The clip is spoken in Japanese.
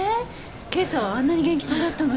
今朝はあんなに元気そうだったのに。